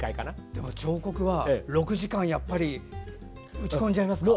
でも彫刻は６時間打ち込んじゃいますか。